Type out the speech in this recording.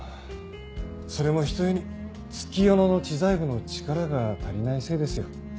それもひとえに月夜野の知財部の力が足りないせいですよ。